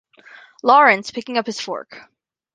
Lawrence, picking up his fork.